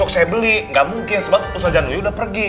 oke bener benercharity damit pun untukmu sobat